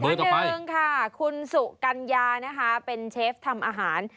ท่านหนึ่งค่ะคุณสุกัญญานะคะเป็นเชฟทำอาหาร